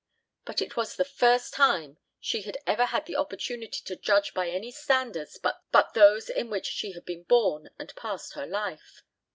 But it was the first time she had ever had the opportunity to judge by any standards but those in which she had been born and passed her life.